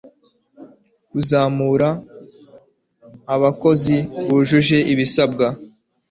kuzamura abakozi bujuje ibisabwa